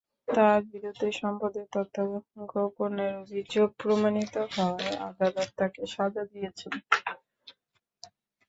তাঁর বিরুদ্ধে সম্পদের তথ্য গোপনের অভিযোগ প্রমাণিত হওয়ায় আদালত তাঁকে সাজা দিয়েছেন।